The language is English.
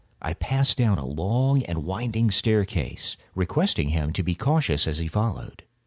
I passed down a long and winding staircase, requesting him to be cautious as he followed.